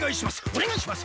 おねがいします！